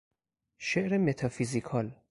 شعر متافیزیکال